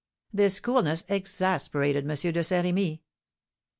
This coolness exasperated M. de Saint Rémy.